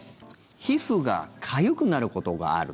皮膚がかゆくなることがある。